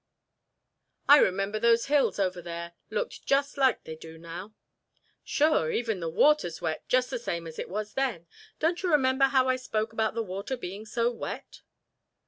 "I remember those hills over there looked just like they do now." "Sure, even the water's wet, just the same as it was then. Don't you remember how I spoke about the water being so wet?"